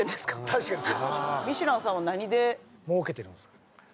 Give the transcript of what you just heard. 確かにそうミシュランさんは何で儲けてるんですか？